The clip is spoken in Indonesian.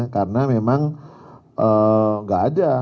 karena memang enggak ada